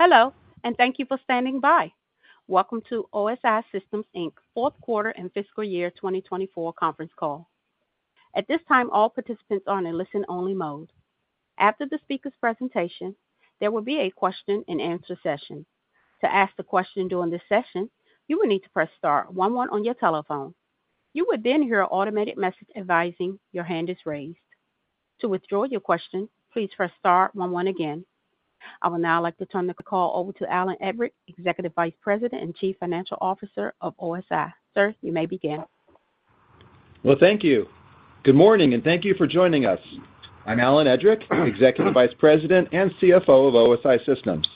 Hello, and thank you for standing by. Welcome to OSI Systems, Inc.'s fourth quarter and fiscal year 2024 conference call. At this time, all participants are in listen-only mode. After the speaker's presentation, there will be a question-and-answer session. To ask a question during this session, you will need to press star one one on your telephone. You would then hear an automated message advising your hand is raised. To withdraw your question, please press star one one again. I would now like to turn the call over to Alan Edrick, Executive Vice President and Chief Financial Officer of OSI. Sir, you may begin. Thank you. Good morning, and thank you for joining us. I'm Alan Edrick, Executive Vice President and CFO of OSI Systems,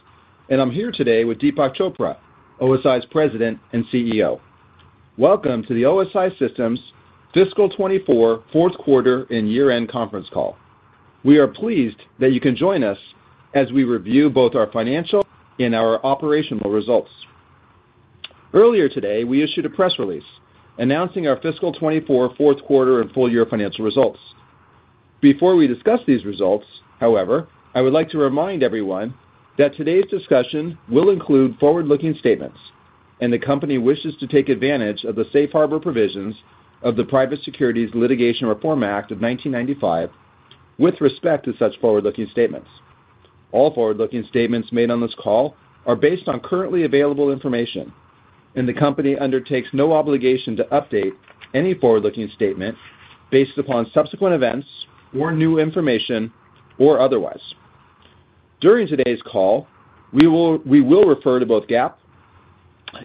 and I'm here today with Deepak Chopra, OSI's President and CEO. Welcome to the OSI Systems Fiscal 2024, fourth quarter, and year-end conference call. We are pleased that you can join us as we review both our financial and our operational results. Earlier today, we issued a press release announcing our fiscal 2024, fourth quarter, and full year financial results. Before we discuss these results, however, I would like to remind everyone that today's discussion will include forward-looking statements, and the company wishes to take advantage of the safe harbor provisions of the Private Securities Litigation Reform Act of 1995 with respect to such forward-looking statements. All forward-looking statements made on this call are based on currently available information, and the company undertakes no obligation to update any forward-looking statement based upon subsequent events or new information or otherwise. During today's call, we will refer to both GAAP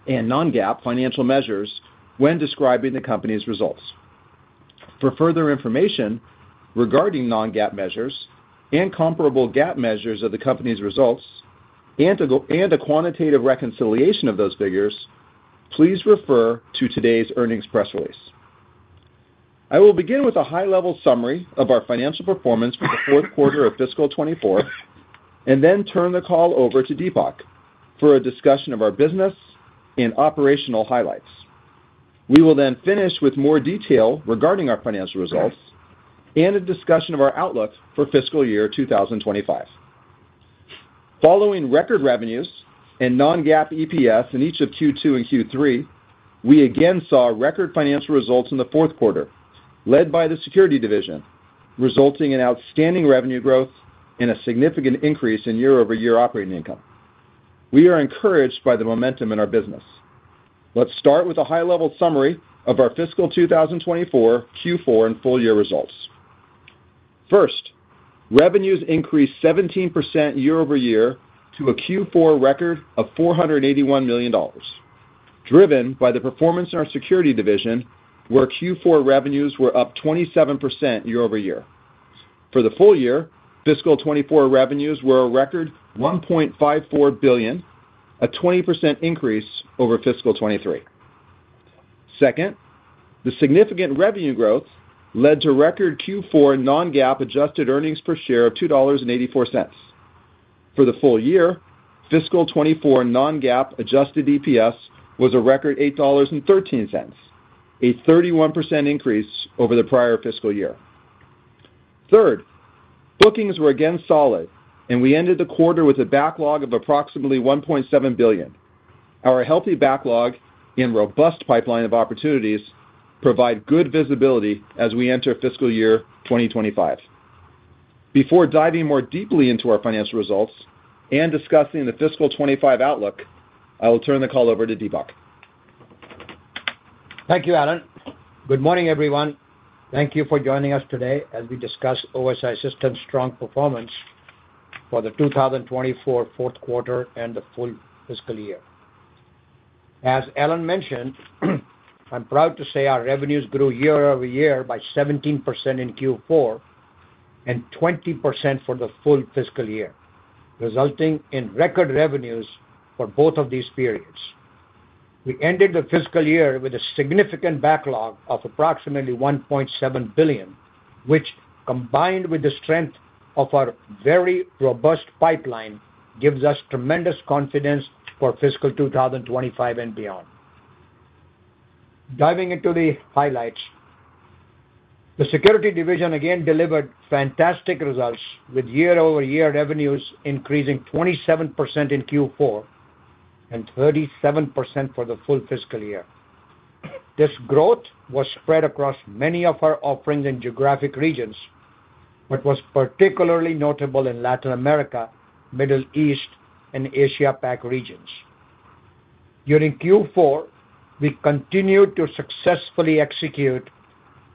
and non-GAAP financial measures when describing the company's results. For further information regarding non-GAAP measures and comparable GAAP measures of the company's results and a quantitative reconciliation of those figures, please refer to today's earnings press release. I will begin with a high-level summary of our financial performance for the fourth quarter of fiscal 2024, and then turn the call over to Deepak for a discussion of our business and operational highlights. We will then finish with more detail regarding our financial results and a discussion of our outlook for fiscal year 2025. Following record revenues and non-GAAP EPS in each of Q2 and Q3, we again saw record financial results in the fourth quarter, led by the Security division, resulting in outstanding revenue growth and a significant increase in year-over-year operating income. We are encouraged by the momentum in our business. Let's start with a high-level summary of our fiscal 2024, Q4, and full year results. First, revenues increased 17% year-over-year to a Q4 record of $481 million, driven by the performance in our Security division, where Q4 revenues were up 27% year-over-year. For the full year, fiscal 2024 revenues were a record $1.54 billion, a 20% increase over fiscal 2023. Second, the significant revenue growth led to record Q4 non-GAAP adjusted earnings per share of $2.84. For the full year, fiscal 2024 non-GAAP adjusted EPS was a record $8.13, a 31% increase over the prior fiscal year. Third, bookings were again solid, and we ended the quarter with a backlog of approximately $1.7 billion. Our healthy backlog and robust pipeline of opportunities provide good visibility as we enter fiscal year 2025. Before diving more deeply into our financial results and discussing the fiscal 2025 outlook, I will turn the call over to Deepak. Thank you, Alan. Good morning, everyone. Thank you for joining us today as we discuss OSI Systems' strong performance for the 2024 fourth quarter and the full fiscal year. As Alan mentioned, I'm proud to say our revenues grew year-over-year by 17% in Q4 and 20% for the full fiscal year, resulting in record revenues for both of these periods. We ended the fiscal year with a significant backlog of approximately $1.7 billion, which, combined with the strength of our very robust pipeline, gives us tremendous confidence for fiscal 2025 and beyond. Diving into the highlights, the Security division again delivered fantastic results, with year-over-year revenues increasing 27% in Q4 and 37% for the full fiscal year. This growth was spread across many of our offerings and geographic regions, but was particularly notable in Latin America, Middle East, and Asia-Pac regions. During Q4, we continued to successfully execute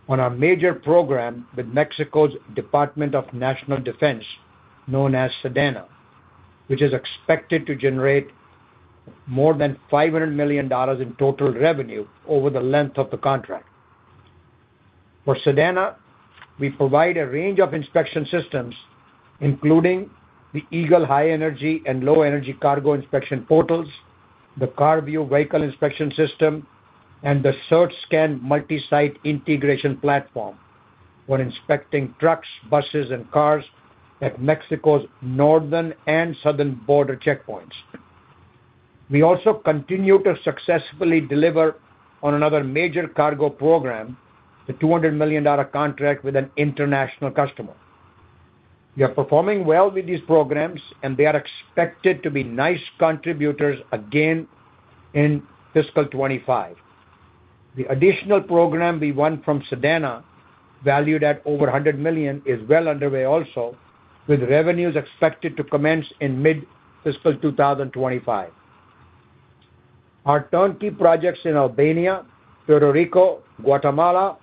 on a major program with Mexico's Department of National Defense, known as SEDENA, which is expected to generate more than $500 million in total revenue over the length of the contract. For SEDENA, we provide a range of inspection systems, including the Eagle High Energy and Low Energy Cargo Inspection portals, the CarView Vehicle Inspection System, and the CertScan Multi-Site Integration Platform for inspecting trucks, buses, and cars at Mexico's northern and southern border checkpoints. We also continue to successfully deliver on another major cargo program, the $200 million contract with an international customer. We are performing well with these programs, and they are expected to be nice contributors again in fiscal 2025. The additional program we won from SEDENA, valued at over $100 million, is well underway also, with revenues expected to commence in mid-fiscal 2025. Our turnkey projects in Albania, Puerto Rico, Guatemala,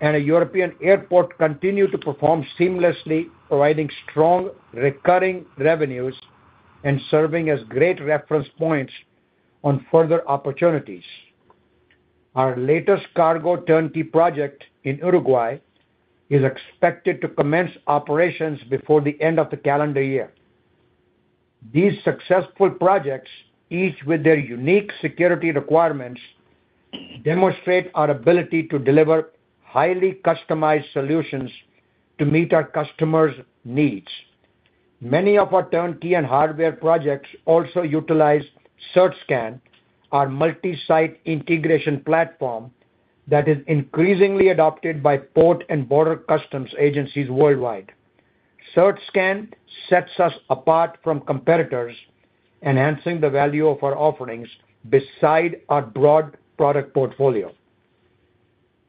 and a European airport continue to perform seamlessly, providing strong recurring revenues and serving as great reference points on further opportunities. Our latest cargo turnkey project in Uruguay is expected to commence operations before the end of the calendar year. These successful projects, each with their unique security requirements, demonstrate our ability to deliver highly customized solutions to meet our customers' needs. Many of our turnkey and hardware projects also utilize CertScan, our multi-site integration platform that is increasingly adopted by port and border customs agencies worldwide. CertScan sets us apart from competitors, enhancing the value of our offerings beside our broad product portfolio.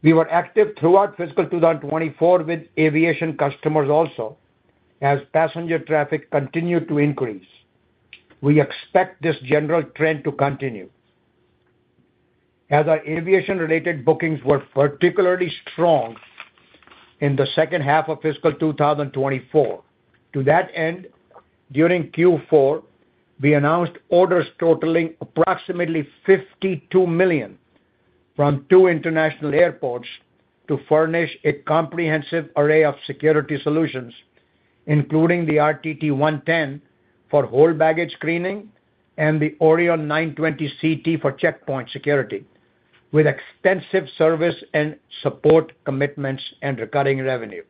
We were active throughout fiscal 2024 with aviation customers also, as passenger traffic continued to increase. We expect this general trend to continue, as our aviation-related bookings were particularly strong in the second half of fiscal 2024. To that end, during Q4, we announced orders totaling approximately $52 million from two international airports to furnish a comprehensive array of security solutions, including the RTT 110 for whole baggage screening and the Orion 920CT for checkpoint security, with extensive service and support commitments and recurring revenue.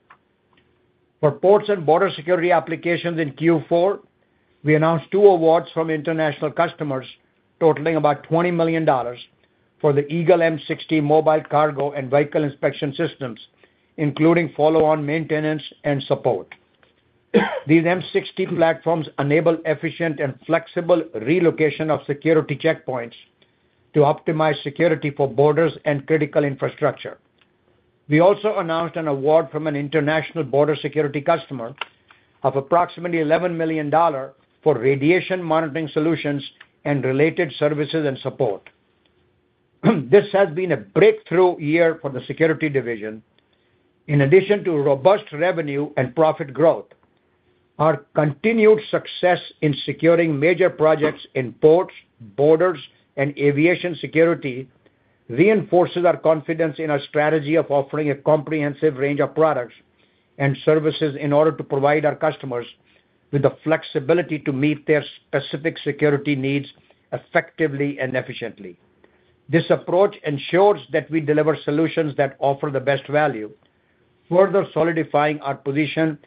For ports and border security applications in Q4, we announced two awards from international customers totaling about $20 million for the Eagle M60 mobile cargo and vehicle inspection systems, including follow-on maintenance and support. These M60 platforms enable efficient and flexible relocation of security checkpoints to optimize security for borders and critical infrastructure. We also announced an award from an international border security customer of approximately $11 million for radiation monitoring solutions and related services and support. This has been a breakthrough year for the Security Division. In addition to robust revenue and profit growth, our continued success in securing major projects in ports, borders, and aviation security reinforces our confidence in our strategy of offering a comprehensive range of products and services in order to provide our customers with the flexibility to meet their specific security needs effectively and efficiently. This approach ensures that we deliver solutions that offer the best value, further solidifying our position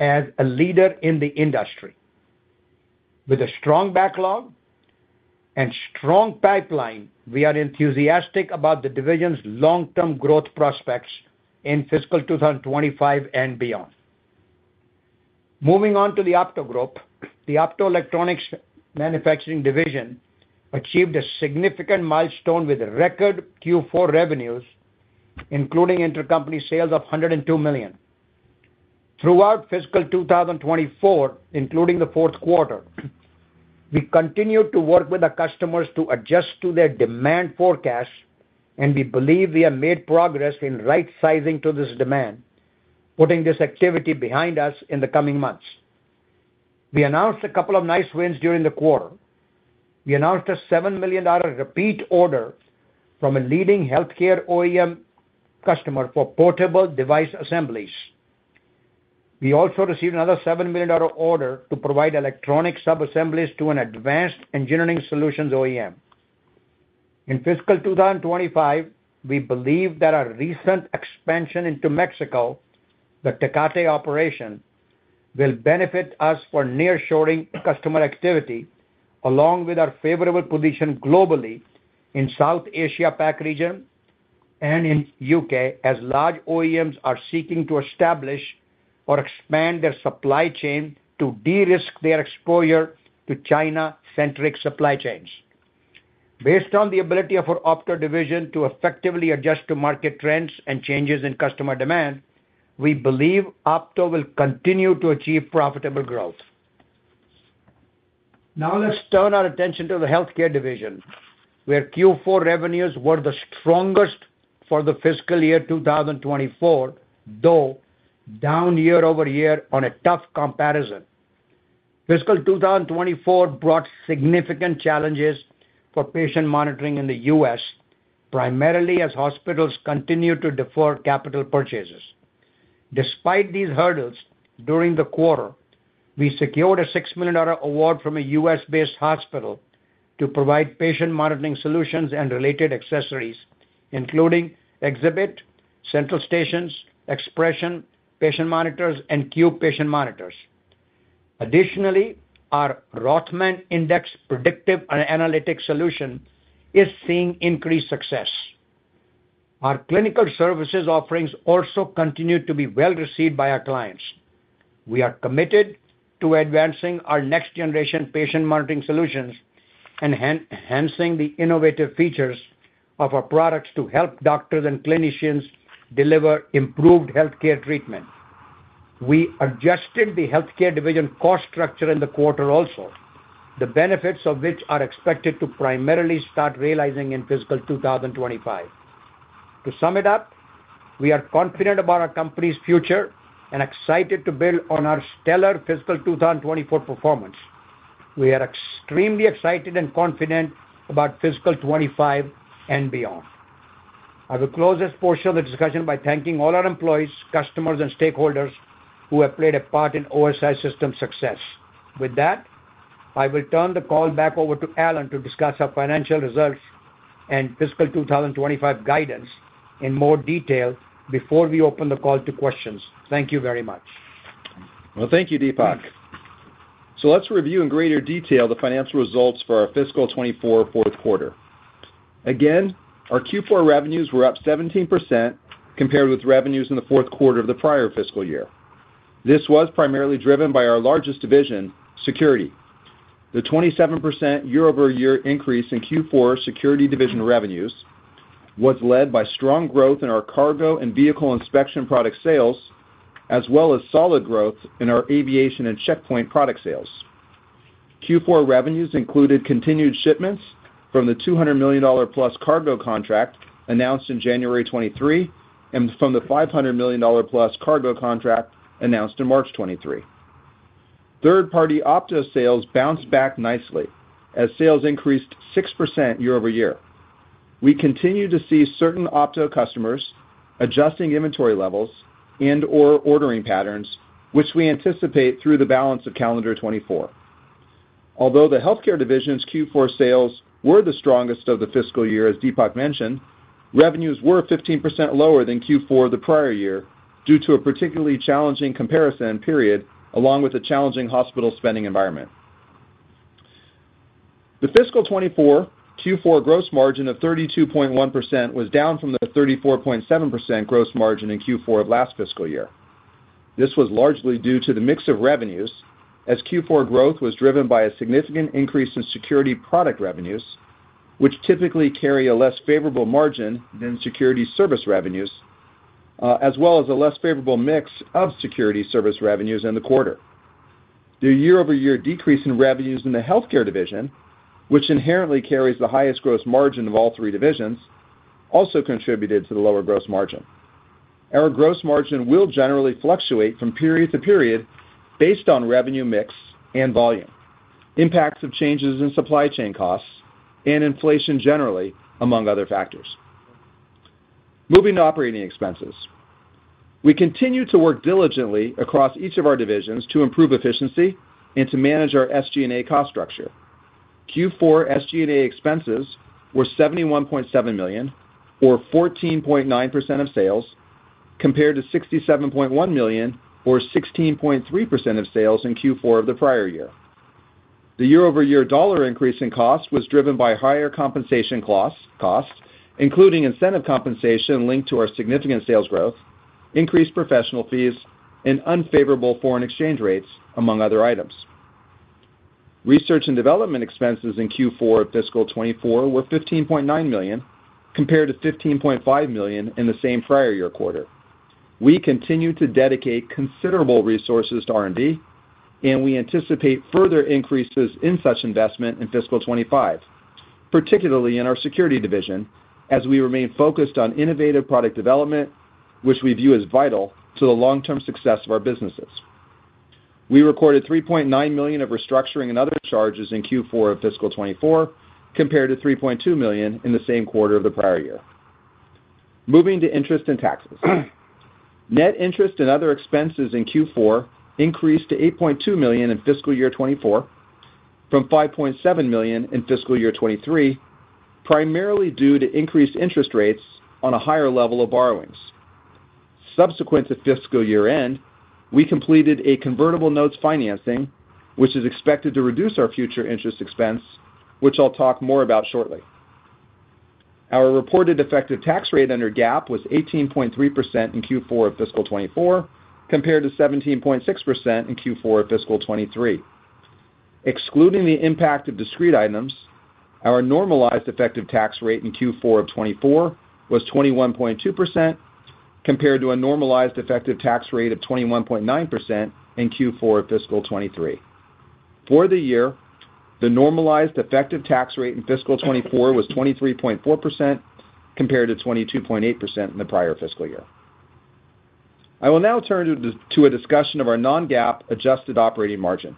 as a leader in the industry. With a strong backlog and strong pipeline, we are enthusiastic about the division's long-term growth prospects in fiscal 2024 and beyond. Moving on to the Opto group, the Optoelectronics Manufacturing Division achieved a significant milestone with record Q4 revenues, including intercompany sales of $102 million. Throughout fiscal 2024, including the fourth quarter, we continued to work with our customers to adjust to their demand forecasts, and we believe we have made progress in right-sizing to this demand, putting this activity behind us in the coming months. We announced a couple of nice wins during the quarter. We announced a $7 million repeat order from a leading healthcare OEM customer for portable device assemblies. We also received another $7 million order to provide electronic subassemblies to an advanced engineering solutions OEM. In fiscal 2025, we believe that our recent expansion into Mexico, the Tecate operation, will benefit us for nearshoring customer activity, along with our favorable position globally in South Asia-Pac region and in U.K., as large OEMs are seeking to establish or expand their supply chain to de-risk their exposure to China-centric supply chains. Based on the ability of our Opto division to effectively adjust to market trends and changes in customer demand, we believe Opto will continue to achieve profitable growth. Now, let's turn our attention to the Healthcare Division, where Q4 revenues were the strongest for the fiscal year 2024, though down year-over-year on a tough comparison. Fiscal 2024 brought significant challenges for patient monitoring in the U.S., primarily as hospitals continued to defer capital purchases. Despite these hurdles, during the quarter, we secured a $6 million award from a U.S.-based hospital to provide patient monitoring solutions and related accessories, including Xhibit central stations, Xprezzon patient monitors, and Qube patient monitors. Additionally, our Rothman Index predictive and analytic solution is seeing increased success. Our clinical services offerings also continue to be well-received by our clients. We are committed to advancing our next-generation patient monitoring solutions and enhancing the innovative features of our products to help doctors and clinicians deliver improved healthcare treatment. We adjusted the Healthcare division cost structure in the quarter also, the benefits of which are expected to primarily start realizing in fiscal 2025. To sum it up, we are confident about our company's future and excited to build on our stellar fiscal 2024 performance. We are extremely excited and confident about fiscal 2025 and beyond. I will close this portion of the discussion by thanking all our employees, customers, and stakeholders who have played a part in OSI Systems' success. With that, I will turn the call back over to Alan to discuss our financial results and fiscal 2025 guidance in more detail before we open the call to questions. Thank you very much. Thank you, Deepak. Let's review in greater detail the financial results for our fiscal 2024 fourth quarter. Again, our Q4 revenues were up 17% compared with revenues in the fourth quarter of the prior fiscal year. This was primarily driven by our largest division, Security. The 27% year-over-year increase in Q4 Security division revenues was led by strong growth in our cargo and vehicle inspection product sales, as well as solid growth in our aviation and checkpoint product sales. Q4 revenues included continued shipments from the $200 million+ cargo contract announced in January 2023, and from the $500 million+ cargo contract announced in March 2023. Third-party Opto sales bounced back nicely as sales increased 6% year-over-year. We continue to see certain Opto customers adjusting inventory levels and/or ordering patterns, which we anticipate through the balance of calendar 2024. Although the Healthcare division's Q4 sales were the strongest of the fiscal year, as Deepak mentioned, revenues were 15% lower than Q4 the prior year, due to a particularly challenging comparison period, along with a challenging hospital spending environment. The fiscal 2024 Q4 gross margin of 32.1% was down from the 34.7% gross margin in Q4 of last fiscal year. This was largely due to the mix of revenues, as Q4 growth was driven by a significant increase in security product revenues, which typically carry a less favorable margin than security service revenues, as well as a less favorable mix of security service revenues in the quarter. The year-over-year decrease in revenues in the Healthcare division, which inherently carries the highest gross margin of all three divisions, also contributed to the lower gross margin. Our gross margin will generally fluctuate from period to period based on revenue, mix, and volume, impacts of changes in supply chain costs and inflation generally, among other factors. Moving to operating expenses. We continue to work diligently across each of our divisions to improve efficiency and to manage our SG&A cost structure. Q4 SG&A expenses were $71.7 million, or 14.9% of sales, compared to $67.1 million, or 16.3% of sales in Q4 of the prior year. The year-over-year dollar increase in cost was driven by higher compensation costs, including incentive compensation linked to our significant sales growth, increased professional fees, and unfavorable foreign exchange rates, among other items. Research and development expenses in Q4 of fiscal 2024 were $15.9 million, compared to $15.5 million in the same prior year quarter. We continue to dedicate considerable resources to R&D, and we anticipate further increases in such investment in fiscal 2025, particularly in our security division, as we remain focused on innovative product development, which we view as vital to the long-term success of our businesses. We recorded $3.9 million of restructuring and other charges in Q4 of fiscal 2024, compared to $3.2 million in the same quarter of the prior year. Moving to interest and taxes. Net interest and other expenses in Q4 increased to $8.2 million in fiscal year 2024 from $5.7 million in fiscal year 2023, primarily due to increased interest rates on a higher level of borrowings. Subsequent to fiscal year-end, we completed a convertible notes financing, which is expected to reduce our future interest expense, which I'll talk more about shortly. Our reported effective tax rate under GAAP was 18.3% in Q4 of fiscal 2024, compared to 17.6% in Q4 of fiscal 2023. Excluding the impact of discrete items, our normalized effective tax rate in Q4 of 2024 was 21.2%, compared to a normalized effective tax rate of 21.9% in Q4 of fiscal 2023. For the year, the normalized effective tax rate in fiscal 2024 was 23.4%, compared to 22.8% in the prior fiscal year. I will now turn to a discussion of our non-GAAP adjusted operating margin.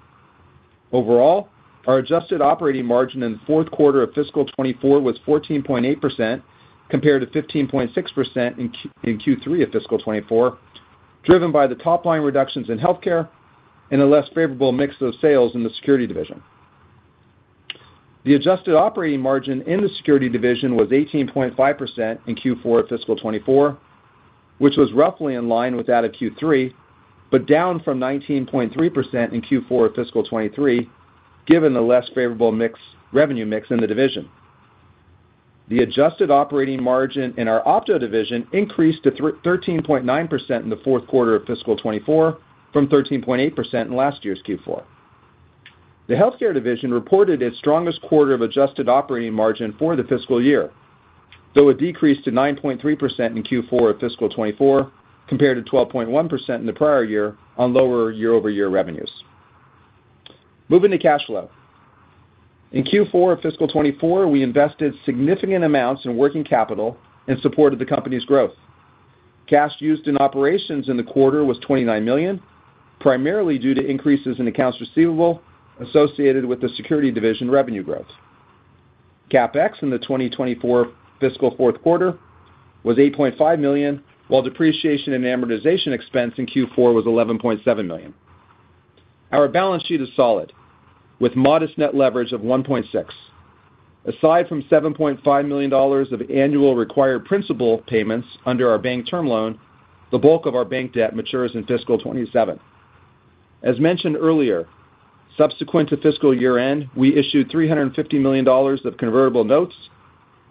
Overall, our adjusted operating margin in the fourth quarter of fiscal 2024 was 14.8%, compared to 15.6% in Q3 of fiscal 2024, driven by the top-line reductions in healthcare and a less favorable mix of sales in the security division. The adjusted operating margin in the Security division was 18.5% in Q4 of fiscal 2024, which was roughly in line with that of Q3, but down from 19.3% in Q4 of fiscal 2023, given the less favorable mix, revenue mix in the division. The adjusted operating margin in our Opto division increased to 13.9% in the fourth quarter of fiscal 2024, from 13.8% in last year's Q4. The Healthcare division reported its strongest quarter of adjusted operating margin for the fiscal year, though it decreased to 9.3% in Q4 of fiscal 2024, compared to 12.1% in the prior year, on lower year-over-year revenues. Moving to cash flow. In Q4 of fiscal 2024, we invested significant amounts in working capital in support of the company's growth. Cash used in operations in the quarter was $29 million, primarily due to increases in accounts receivable associated with the Security division revenue growth. CapEx in the 2024 fiscal fourth quarter was $8.5 million, while depreciation and amortization expense in Q4 was $11.7 million. Our balance sheet is solid, with modest net leverage of 1.6. Aside from $7.5 million of annual required principal payments under our bank term loan, the bulk of our bank debt matures in fiscal 2027. As mentioned earlier, subsequent to fiscal year-end, we issued $350 million of convertible notes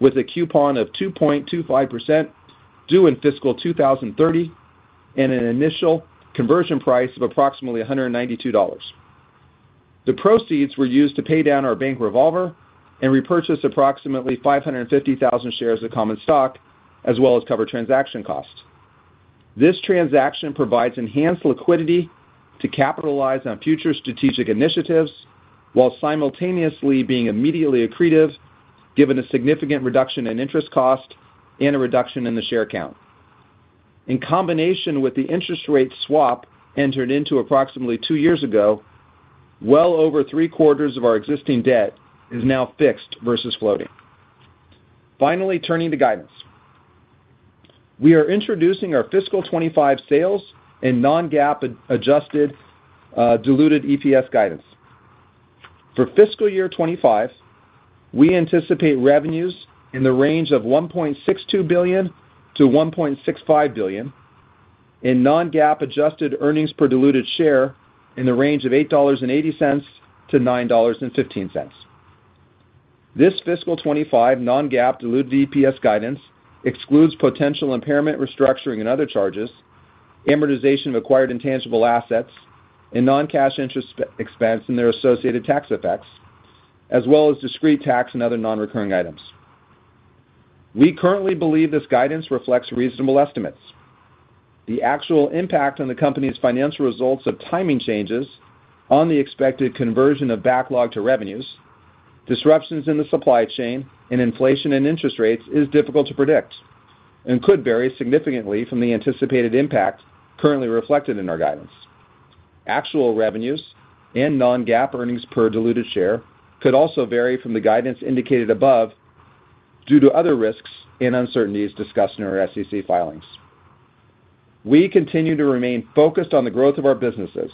with a coupon of 2.25% due in fiscal 2030, and an initial conversion price of approximately $192. The proceeds were used to pay down our bank revolver and repurchase approximately 550,000 shares of common stock, as well as cover transaction costs. This transaction provides enhanced liquidity to capitalize on future strategic initiatives, while simultaneously being immediately accretive, given a significant reduction in interest cost and a reduction in the share count. In combination with the interest rate swap entered into approximately two years ago, well over three quarters of our existing debt is now fixed versus floating. Finally, turning to guidance. We are introducing our fiscal 2025 sales and non-GAAP adjusted diluted EPS guidance. For fiscal year 2025, we anticipate revenues in the range of $1.62 billion-$1.65 billion, and non-GAAP adjusted earnings per diluted share in the range of $8.80-$9.15. This fiscal 2025 non-GAAP diluted EPS guidance excludes potential impairment, restructuring, and other charges, amortization of acquired intangible assets, and non-cash interest expense and their associated tax effects, as well as discrete tax and other non-recurring items. We currently believe this guidance reflects reasonable estimates. The actual impact on the company's financial results of timing changes on the expected conversion of backlog to revenues, disruptions in the supply chain and inflation and interest rates is difficult to predict and could vary significantly from the anticipated impact currently reflected in our guidance. Actual revenues and non-GAAP earnings per diluted share could also vary from the guidance indicated above due to other risks and uncertainties discussed in our SEC filings. We continue to remain focused on the growth of our businesses.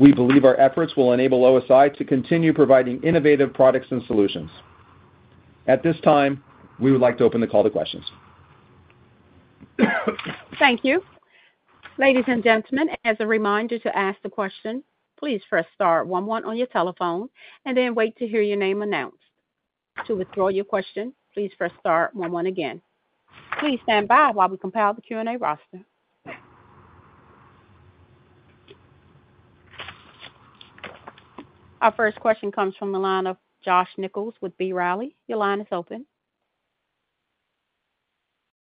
We believe our efforts will enable OSI to continue providing innovative products and solutions. At this time, we would like to open the call to questions. Thank you. Ladies and gentlemen, as a reminder to ask the question, please press star one one on your telephone and then wait to hear your name announced. To withdraw your question, please press star one one again. Please stand by while we compile the Q&A roster. Our first question comes from the line of Josh Nichols with B. Riley. Your line is open.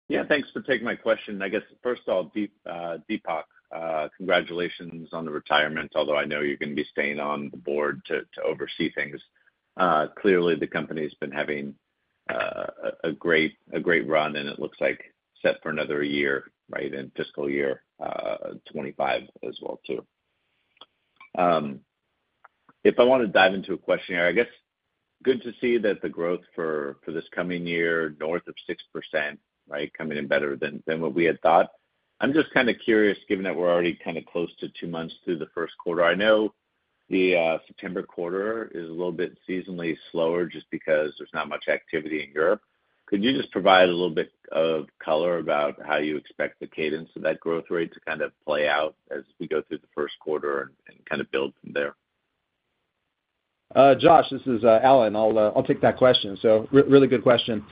Yeah, thanks for taking my question. I guess, first of all, Deepak, congratulations on the retirement, although I know you're going to be staying on the board to oversee things. Clearly, the company's been having a great run, and it looks like set for another year, right, in fiscal year 2025 as well, too. If I want to dive into a question here, I guess, good to see that the growth for this coming year, north of 6%, right? Coming in better than what we had thought. I'm just kind of curious, given that we're already kind of close to two months through the first quarter. I know the September quarter is a little bit seasonally slower just because there's not much activity in Europe. Could you just provide a little bit of color about how you expect the cadence of that growth rate to kind of play out as we go through the first quarter and kind of build from there? Josh, this is Alan. I'll take that question. So really good question.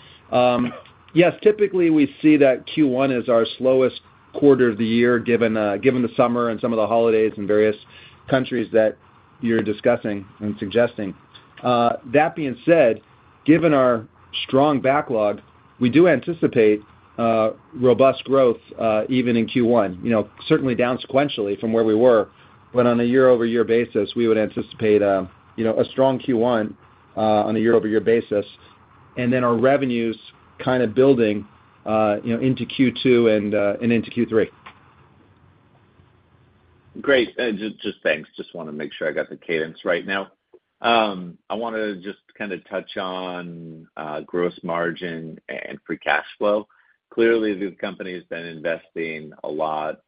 Yes, typically, we see that Q1 is our slowest quarter of the year, given the summer and some of the holidays in various countries that you're discussing and suggesting. That being said, given our strong backlog, we do anticipate robust growth even in Q1. You know, certainly down sequentially from where we were, but on a year-over-year basis, we would anticipate you know a strong Q1 on a year-over-year basis, and then our revenues kind of building you know into Q2 and into Q3. Great. Just thanks. Just wanna make sure I got the cadence right now. I wanna just kind of touch on gross margin and free cash flow. Clearly, the company has been investing a lot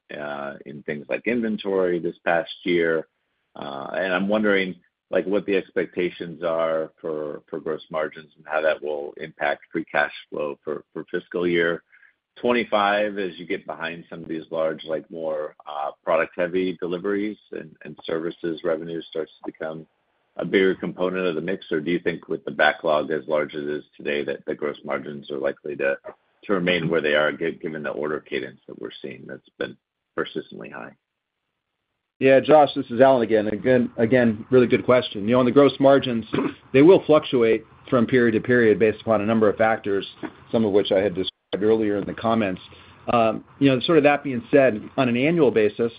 in things like inventory this past year. And I'm wondering, like, what the expectations are for gross margins and how that will impact free cash flow for fiscal year 2025, as you get behind some of these large, like, more product-heavy deliveries and services revenue starts to become a bigger component of the mix? Or do you think with the backlog as large as it is today, that the gross margins are likely to remain where they are given the order cadence that we're seeing that's been persistently high? Yeah, Josh, this is Alan again. Again, really good question. You know, on the gross margins, they will fluctuate from period to period based upon a number of factors, some of which I had described earlier in the comments. You know, sort of that being said, on an annual basis,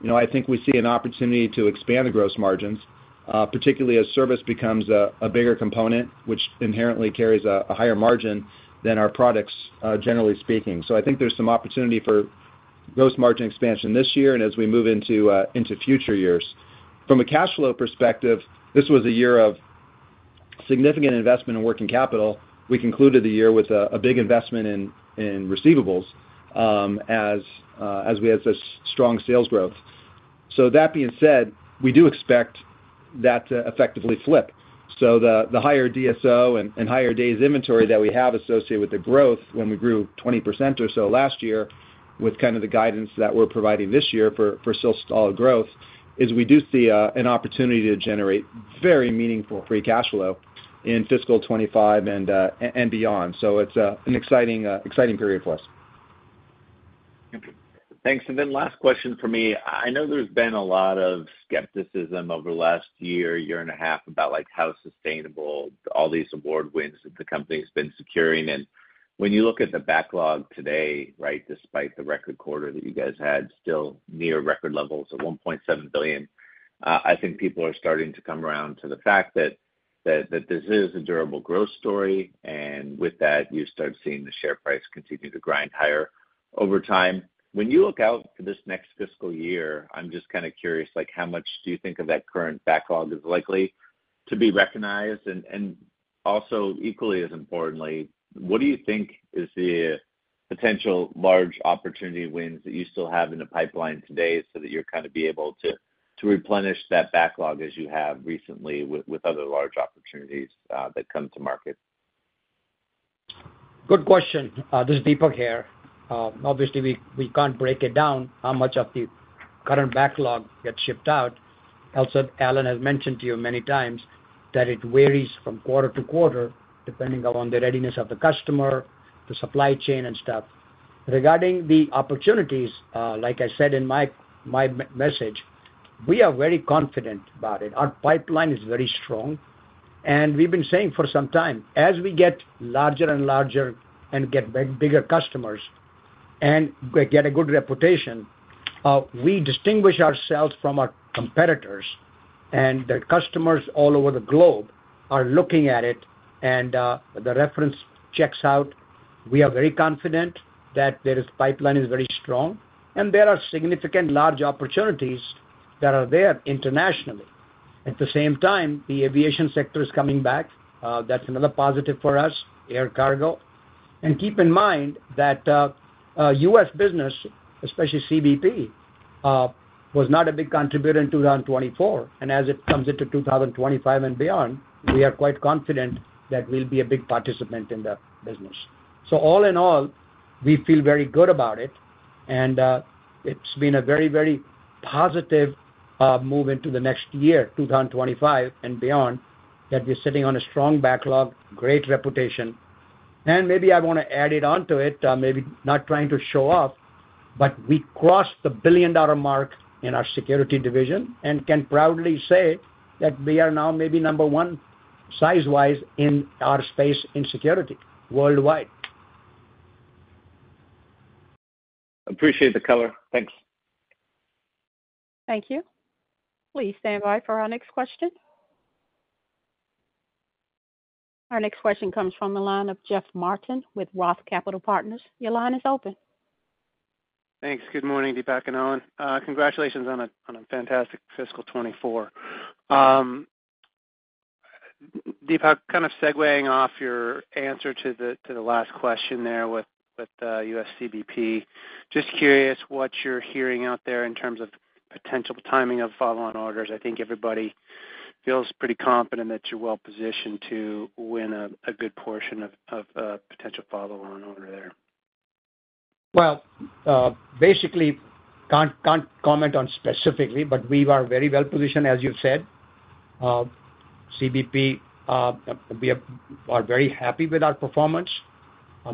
you know, I think we see an opportunity to expand the gross margins, particularly as service becomes a bigger component, which inherently carries a higher margin than our products, generally speaking. So I think there's some opportunity for gross margin expansion this year and as we move into future years. From a cash flow perspective, this was a year of significant investment in working capital. We concluded the year with a big investment in receivables, as we had such strong sales growth. So that being said, we do expect that to effectively flip. So the higher DSO and higher days inventory that we have associated with the growth when we grew 20% or so last year, with kind of the guidance that we're providing this year for solid growth, is we do see an opportunity to generate very meaningful free cash flow in fiscal 2025 and beyond. So it's an exciting period for us. Thanks. And then last question for me. I know there's been a lot of skepticism over the last year, year and a half, about, like, how sustainable all these award wins that the company's been securing. And when you look at the backlog today, right, despite the record quarter that you guys had, still near record levels of $1.7 billion. I think people are starting to come around to the fact that this is a durable growth story, and with that, you start seeing the share price continue to grind higher over time. When you look out for this next fiscal year, I'm just kind of curious, like, how much do you think of that current backlog is likely to be recognized? Also, equally as importantly, what do you think is the potential large opportunity wins that you still have in the pipeline today so that you're kind of be able to replenish that backlog as you have recently with other large opportunities that come to market? Good question. This is Deepak here. Obviously, we can't break it down, how much of the current backlog gets shipped out. Also, Alan has mentioned to you many times that it varies from quarter to quarter, depending upon the readiness of the customer, the supply chain, and stuff. Regarding the opportunities, like I said in my message, we are very confident about it. Our pipeline is very strong, and we've been saying for some time, as we get larger and larger and get bigger customers and get a good reputation, we distinguish ourselves from our competitors, and the customers all over the globe are looking at it, and the reference checks out. We are very confident that this pipeline is very strong, and there are significant large opportunities that are there internationally. At the same time, the aviation sector is coming back. That's another positive for us, air cargo. And keep in mind that, U.S. business, especially CBP, was not a big contributor in 2024 and as it comes into 2025 and beyond, we are quite confident that we'll be a big participant in the business. So all in all, we feel very good about it, and, it's been a very, very positive, move into the next year, 2025 and beyond, that we're sitting on a strong backlog, great reputation. And maybe I want to add it onto it, maybe not trying to show off, but we crossed the $1 billion mark in our security division and can proudly say that we are now maybe number one, size-wise, in our space in security worldwide. Appreciate the color. Thanks. Thank you. Please stand by for our next question. Our next question comes from the line of Jeff Martin with Roth Capital Partners. Your line is open. Thanks. Good morning, Deepak and Alan. Congratulations on a fantastic fiscal 2024. Deepak, kind of segueing off your answer to the last question there with U.S. CBP. Just curious what you're hearing out there in terms of potential timing of follow-on orders. I think everybody feels pretty confident that you're well positioned to win a good portion of potential follow-on order there. Well, basically, can't comment on specifically, but we are very well positioned, as you said. CBP, we are very happy with our performance.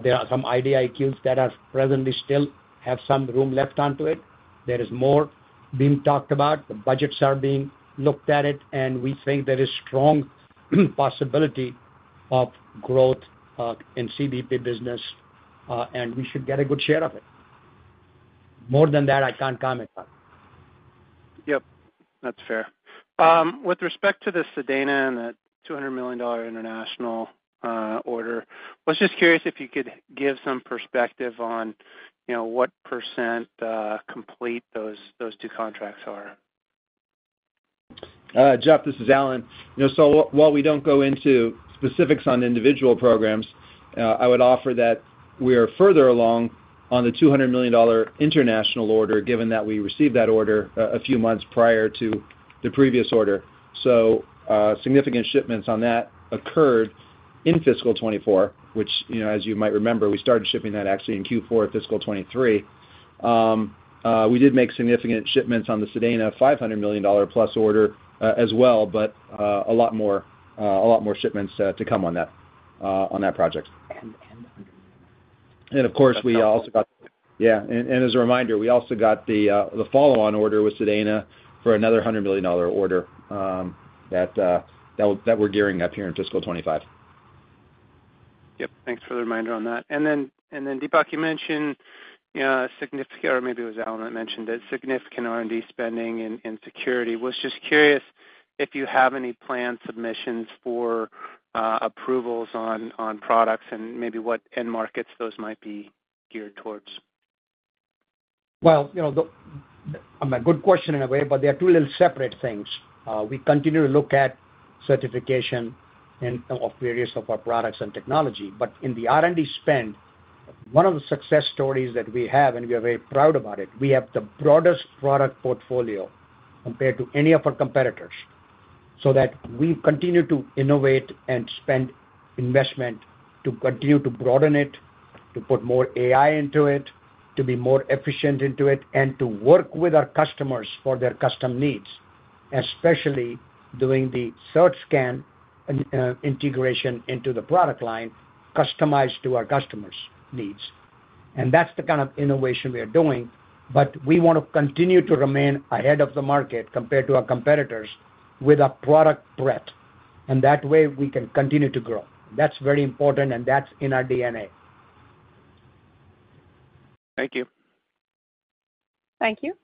There are some IDIQs that are presently still have some room left onto it. There is more being talked about. The budgets are being looked at it, and we think there is strong possibility of growth, in CBP business, and we should get a good share of it. More than that, I can't comment on. Yep, that's fair. With respect to the SEDENA and the $200 million international order, I was just curious if you could give some perspective on, you know, what percent complete those two contracts are. Jeff, this is Alan. You know, so while we don't go into specifics on individual programs, I would offer that we are further along on the $200 million international order, given that we received that order a few months prior to the previous order. So, significant shipments on that occurred in fiscal 2024, which, you know, as you might remember, we started shipping that actually in Q4 of fiscal 2023. We did make significant shipments on the SEDENA $500 million plus order as well, but a lot more shipments to come on that project. Of course, as a reminder, we also got the follow-on order with SEDENA for another $100 million order that we're gearing up here in fiscal 2025. Yep, thanks for the reminder on that. And then, Deepak, you mentioned, or maybe it was Alan that mentioned it, significant R&D spending in security. Was just curious if you have any planned submissions for approvals on products and maybe what end markets those might be geared towards? You know, a good question in a way, but they are two little separate things. We continue to look at certification and of various of our products and technology, but in the R&D spend, one of the success stories that we have, and we are very proud about it, we have the broadest product portfolio compared to any of our competitors, so that we continue to innovate and spend investment to continue to broaden it, to put more AI into it, to be more efficient into it, and to work with our customers for their custom needs, especially doing the CertScan and integration into the product line, customized to our customers' needs, and that's the kind of innovation we are doing. But we want to continue to remain ahead of the market compared to our competitors with a product breadth, and that way we can continue to grow. That's very important, and that's in our DNA. Thank you. Thank you.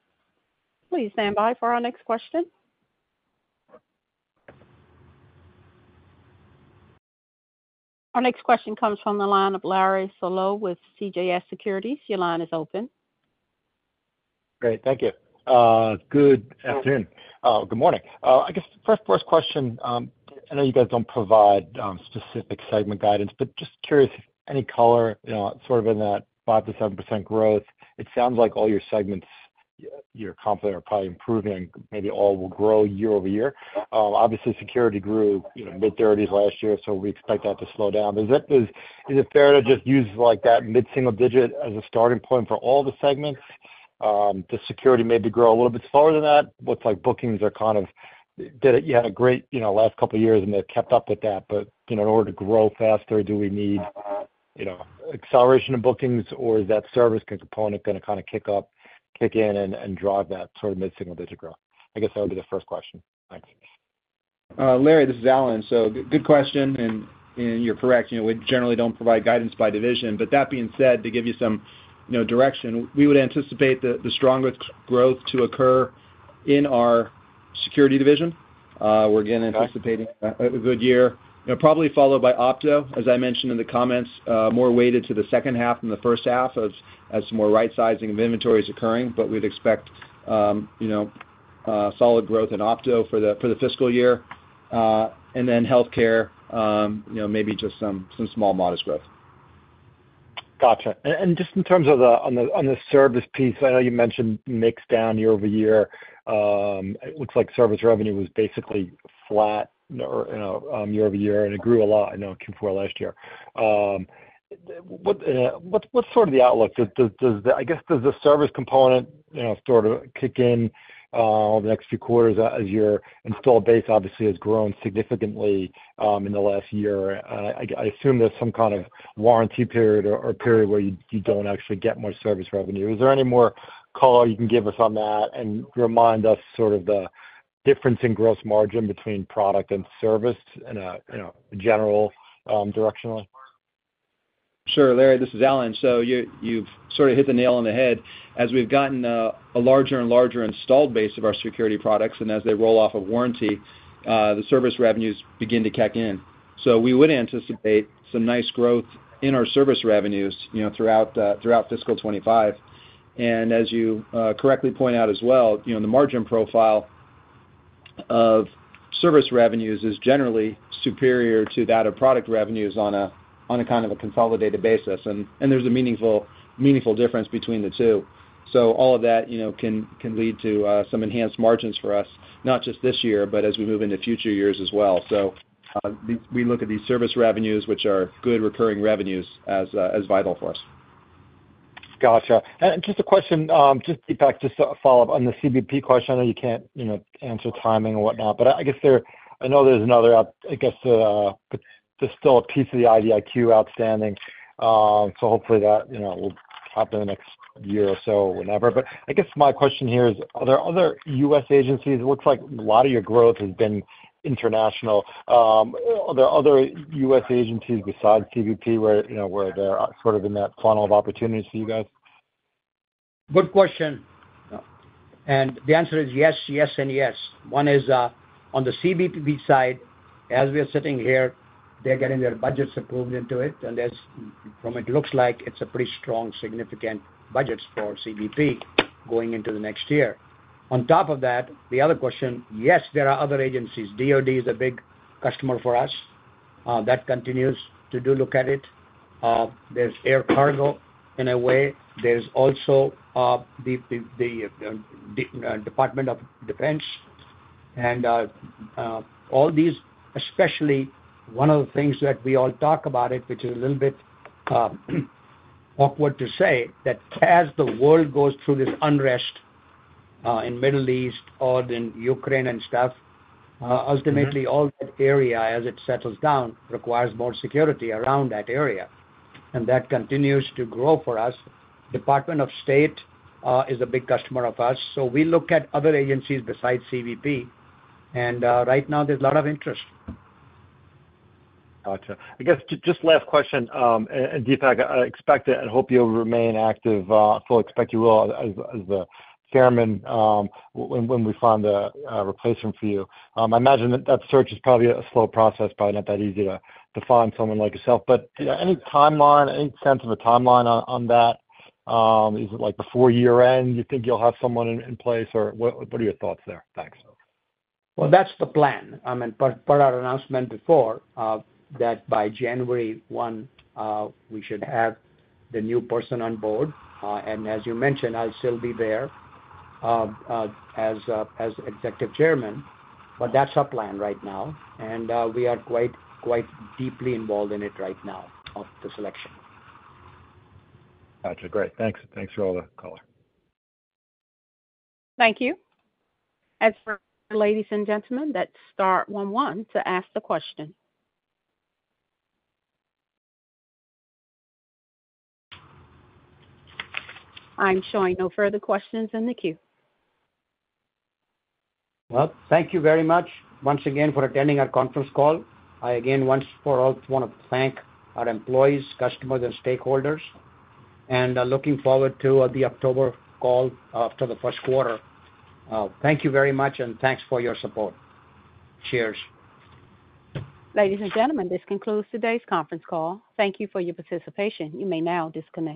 Please stand by for our next question. Our next question comes from the line of Larry Solow with CJS Securities. Your line is open. Great, thank you. Good afternoon. Good morning. I guess the first question, I know you guys don't provide specific segment guidance, but just curious, any color, you know, sort of in that 5%-7% growth, it sounds like all your segments, you're confident are probably improving, maybe all will grow year-over-year. Obviously, Security grew, you know, mid-30%s last year, so we expect that to slow down. Is it fair to just use like that mid-single-digit as a starting point for all the segments? The Security maybe grow a little bit slower than that. Looks like bookings are kind of you had a great, you know, last couple of years, and they've kept up with that. But, you know, in order to grow faster, do we need, you know, acceleration of bookings, or is that service component gonna kinda kick up, kick in and drive that sort of mid-single digit growth? I guess that would be the first question. Thanks. Larry, this is Alan. So good question, and you're correct. You know, we generally don't provide guidance by division. But that being said, to give you some, you know, direction, we would anticipate the strongest growth to occur in our Security division. We're again anticipating a good year. You know, probably followed by Opto, as I mentioned in the comments, more weighted to the second half than the first half as some more right-sizing of inventory is occurring. But we'd expect, you know, solid growth in Opto for the fiscal year, and then Healthcare, you know, maybe just some small modest growth. Gotcha. And just in terms of the service piece, I know you mentioned mix down year-over-year. It looks like service revenue was basically flat, or, you know, year-over-year, and it grew a lot, I know, Q4 last year. What's sort of the outlook? Does the service component, you know, sort of kick in over the next few quarters as your installed base obviously has grown significantly in the last year? I assume there's some kind of warranty period or period where you don't actually get much service revenue. Is there any more color you can give us on that and remind us sort of the difference in gross margin between product and service in a, you know, general directionally? Sure, Larry, this is Alan. So you've sort of hit the nail on the head. As we've gotten a larger and larger installed base of our security products, and as they roll off of warranty, the service revenues begin to kick in. So we would anticipate some nice growth in our service revenues, you know, throughout fiscal 2025. And as you correctly point out as well, you know, the margin profile of service revenues is generally superior to that of product revenues on a kind of a consolidated basis. And there's a meaningful, meaningful difference between the two. So all of that, you know, can lead to some enhanced margins for us, not just this year, but as we move into future years as well. So, we look at these service revenues, which are good recurring revenues, as vital for us. Gotcha. And just a question, just Deepak, just a follow-up on the CBP question. I know you can't, you know, answer timing or whatnot, but I guess there. I know there's another, I guess, there's still a piece of the IDIQ outstanding, so hopefully that, you know, will happen in the next year or so, whenever. But I guess my question here is, are there other U.S. agencies. It looks like a lot of your growth has been international. Are there other U.S. agencies besides CBP, where, you know, where they're sort of in that funnel of opportunities for you guys? Good question, and the answer is yes, yes, and yes. One is, on the CBP side, as we are sitting here, they're getting their budgets approved into it, and as from it looks like it's a pretty strong, significant budgets for CBP going into the next year. On top of that, the other question, yes, there are other agencies. DoD is a big customer for us. That continues to do look at it. There's air cargo in a way. There's also, the Department of Defense, and all these, especially one of the things that we all talk about it, which is a little bit awkward to say, that as the world goes through this unrest, in Middle East or in Ukraine and stuff. Mm-hmm. Ultimately, all that area, as it settles down, requires more security around that area, and that continues to grow for us. Department of State is a big customer of ours. So we look at other agencies besides CBP, and right now there's a lot of interest. Gotcha. I guess just last question, and Deepak, I expect and hope you'll remain active, so expect you will as the chairman, when we find a replacement for you. I imagine that search is probably a slow process, probably not that easy to find someone like yourself, but any timeline, any sense of a timeline on that? Is it like before year-end, you think you'll have someone in place, or what are your thoughts there? Thanks. That's the plan. I mean, per our announcement before, that by January one, we should have the new person on board. As you mentioned, I'll still be there, as Executive Chairman, but that's our plan right now. We are quite deeply involved in it right now, of the selection. Gotcha. Great. Thanks. Thanks for all the color. Thank you. As for ladies and gentlemen, that's star one one to ask the question. I'm showing no further questions in the queue. Thank you very much once again for attending our conference call. I again, once for all, wanna thank our employees, customers, and stakeholders, and looking forward to the October call after the first quarter. Thank you very much, and thanks for your support. Cheers. Ladies and gentlemen, this concludes today's conference call. Thank you for your participation. You may now disconnect.